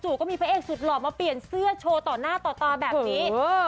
ก็มีพระเอกสุดหล่อมาเปลี่ยนเสื้อโชว์ต่อหน้าต่อตาแบบนี้